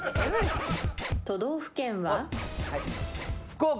都道府県は？福岡。